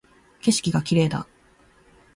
景色が綺麗だ